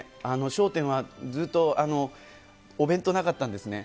笑点はずっとお弁当なかったんですね。